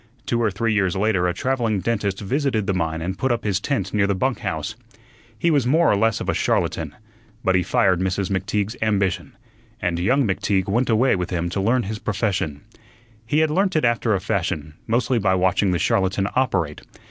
Two or three years later a travelling dentist visited the mine and put up his tent near the bunk house. He was more or less of a charlatan, but he fired Mrs. McTeague's ambition, and young McTeague went away with him to learn his profession. He had learnt it after a fashion, mostly by watching the charlatan operate.